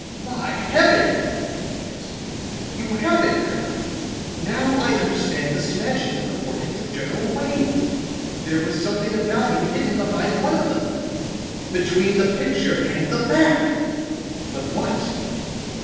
"By Heaven," he gasped, "you have it, Kirk. Now I understand the smashing of the portraits of General Wayne. There was something of value hidden behind one of them between the picture and the back! But what?"